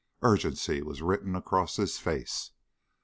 Urgency was written across his face.